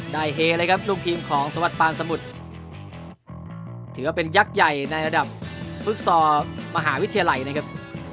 เฮเลยครับลูกทีมของสวัสดปานสมุทรถือว่าเป็นยักษ์ใหญ่ในระดับฟุตซอร์มหาวิทยาลัยนะครับ